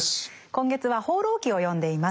今月は「放浪記」を読んでいます。